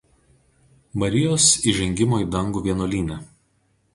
Marijos įžengimo į dangų vienuolyne.